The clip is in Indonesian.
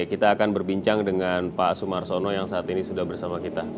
kita akan berbincang dengan pak sumarsono yang saat ini sudah bersama kita